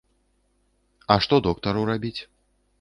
А што доктару рабіць?